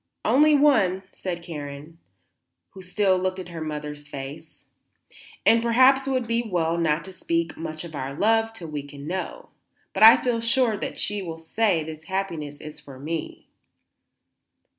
"Only one," said Karen, who still looked at her mother's face. "And perhaps it will be well not to speak much of our love till we can know. But I feel sure that she will say this happiness is for me."